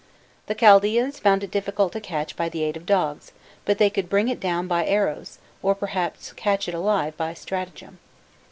The Chaldaeans found it difficult to catch by the aid of dogs, but they could bring it down by arrows, or perhaps catch it alive by stratagem.